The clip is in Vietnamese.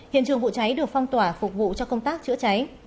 hiện trường vụ cháy được phong tỏa phục vụ cho công tác chữa cháy